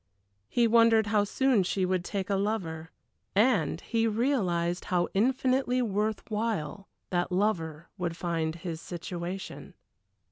He wondered how soon she would take a lover and he realized how infinitely worth while that lover would find his situation.